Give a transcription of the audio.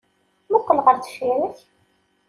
Muqel ɣer deffir-k!